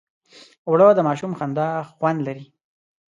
اوړه د ماشوم خندا خوند لري